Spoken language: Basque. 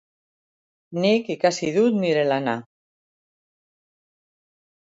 Nik ikasi dut nire lana.